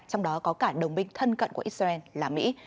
trong đó có cả đồng minh thân cận của israel là mỹ